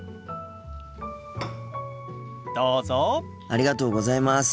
ありがとうございます。